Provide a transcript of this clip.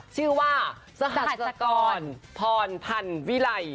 ชื่อว่าสหัสกรพรพันธ์วิไล